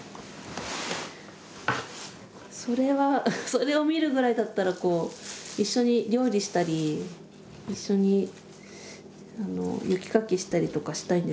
それはそれを見るぐらいだったら一緒に料理したり一緒に雪かきしたりとかしたいんですけど。